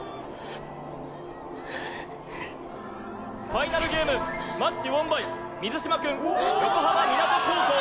・ファイナルゲームマッチウォンバイ水嶋君横浜湊高校！